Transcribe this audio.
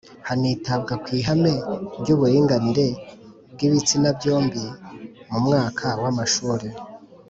hanitabwa ku ihame ry uburinganire bw ibitsina byombi Mu mwaka wa amashuri